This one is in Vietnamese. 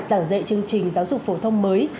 giảng dạy chương trình giáo dục phổ thông mới